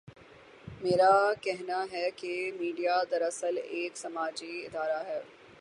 میرا کہنا ہے کہ میڈیا دراصل ایک سماجی ادارہ ہے۔